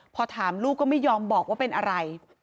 พอถามลูกก็ไม่ยอมบอกว่าเป็นอะไร